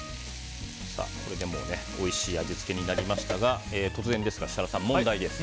これでおいしい味付けになりましたが突然ですが設楽さん、問題です。